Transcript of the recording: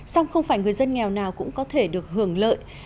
song không phải người dân nghèo nào cũng có thể được hưởng lợi